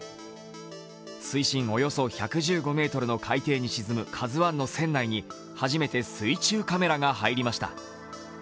水深およそ１１５ｍの海底に沈む「ＫＡＺＵⅠ」の船内に初めて水中カメラが入りました。